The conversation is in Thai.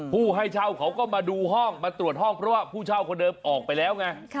ผู้ให้เช่าเขาก็มาดูห้องมาตรวจห้องเพราะว่าผู้เช่าคนเดิมออกไปแล้วไง